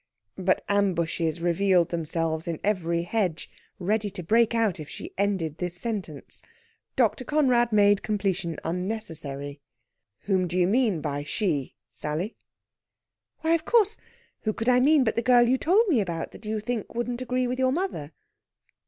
But ambushes revealed themselves in every hedge, ready to break out if she ended this sentence. Dr. Conrad made completion unnecessary. "Whom do you mean by she, Sally?" "Why, of course! Who could I mean but the girl you told me about that you think wouldn't agree with your mother?"